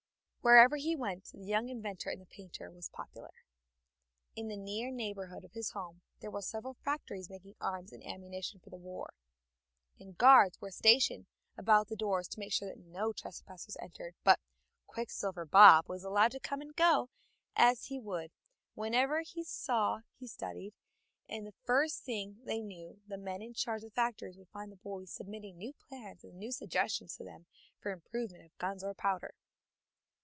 Wherever he went the young inventor and painter was popular. In the near neighborhood of his home there were several factories making arms and ammunition for the war, and guards were stationed about the doors to make sure that no trespassers entered. But "Quicksilver Bob" was allowed to come and go as he would. Whatever he saw he studied, and the first thing they knew the men in charge of the factories would find the boy submitting new plans and new suggestions to them for the improvement of guns or powder.